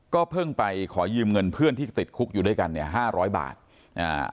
เพิ่งไปขอยืมเงินเพื่อนที่ติดคุกอยู่ด้วยกันเนี่ยห้าร้อยบาทอ่า